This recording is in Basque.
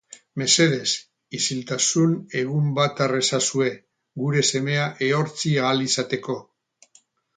Mesedez, isiltasun egun bat har ezazue, gure semea ehortzi ahal izateko.